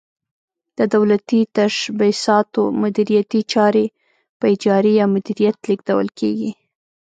د دولتي تشبثاتو مدیریتي چارې په اجارې یا مدیریت لیږدول کیږي.